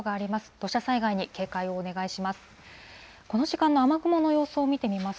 土砂災害に警戒をお願いします。